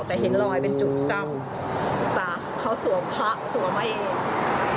แต่เห็นรอยเป็นจุดจำแต่เขาสวมพระสวมมาเอง